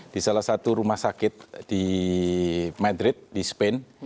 di salah satu rumah sakit di madrid di spin